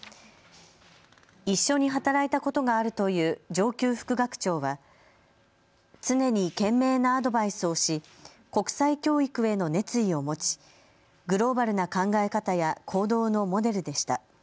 一緒に働いたことがあるという上級副学長は常に賢明なアドバイスをし国際教育への熱意を持ちグローバルな考え方や行動のモデルでした。